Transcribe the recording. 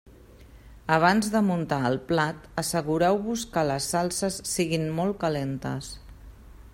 Abans de muntar el plat, assegureu-vos que les salses siguin molt calentes.